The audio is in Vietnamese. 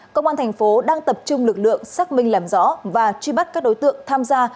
công an thành phố đang tập trung lực lượng xác minh làm rõ và truy bắt các đối tượng tham gia